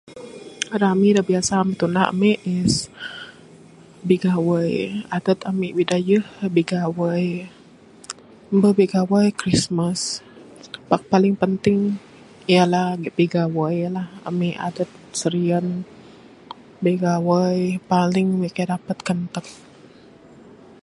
Rami da biasa tunah ami is bigawai...adat ami bidayuh bigawai... mbuh bigawai krismas...pak paling penting ialah bigawai la ami adat serian bigawai paling ami kaii dapat kanteg.